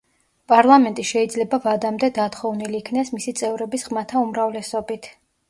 პარლამენტი შეიძლება ვადამდე დათხოვნილ იქნეს მისი წევრების ხმათა უმრავლესობით.